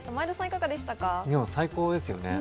最高ですね。